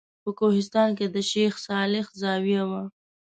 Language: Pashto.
په کوهستان کې د شیخ صالح زاویه وه.